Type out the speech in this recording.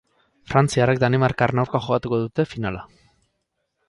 Frantziarrek danimarkarren aurka jokatuko udte finala.